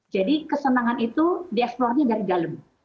jadi kesenangan itu di explore nya dari dalam